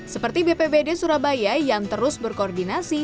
seperti bpbd surabaya yang terus berkoordinasi